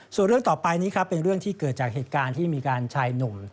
ส่วนเรื่องต่อไปนี้ครับเป็นเรื่องที่เกิดจากเหตุการณ์ที่มีการชายหนุ่ม